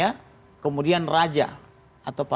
intimidasi kita udah dikatakan tadi